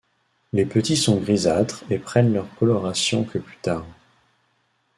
Les petits sont grisâtres et prennent leur coloration que plus tard.